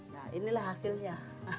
nah inilah hasilnya